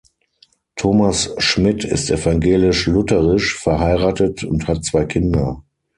Thomas Schmidt ist evangelisch-lutherisch, verheiratet und hat zwei Kinder.